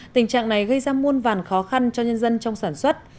tình trạng này gây ra muôn vàn khó khăn cho nhân dân trong sản xuất